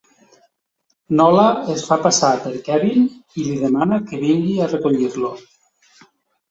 Nola es fa passar per Kevin i li demana que vingui a recollir-lo.